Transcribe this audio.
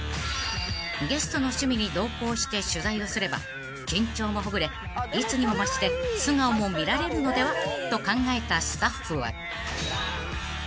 ［ゲストの趣味に同行して取材をすれば緊張もほぐれいつにも増して素顔も見られるのでは？と考えたスタッフは］